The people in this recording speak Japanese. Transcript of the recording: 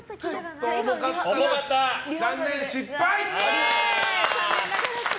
残念、失敗！